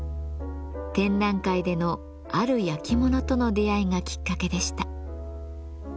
展覧会でのある焼き物との出会いがきっかけでした。